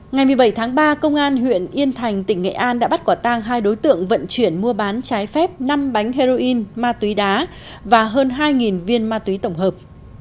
ngày một mươi bảy tháng ba công an huyện yên thành tỉnh nghệ an đã bắt quả tang hai đối tượng vận chuyển mua bán trái phép năm bánh heroin ma túy đá và hơn hai viên ma túy tổng hợp